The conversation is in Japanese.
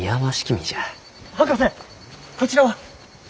博士こちらは？